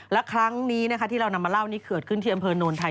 และครั้งนี้ที่เรานำมาเล่านี้เกิดขึ้นที่อำเภอโนนไทย